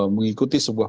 mengikuti sebuah perubahan